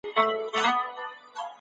زه د تورو چای په څښلو بوخت یم.